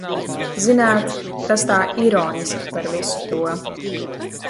Zināt, tas tā ironiski par visu to.